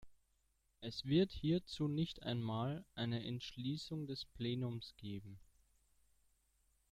Es wird hierzu nicht einmal eine Entschließung des Plenums geben.